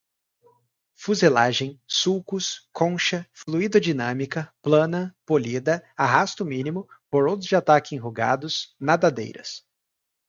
fuselagem, sulcos, concha, fluidodinâmica, plana, polida, arrasto mínimo, borods de ataque enrugados, nadadeiras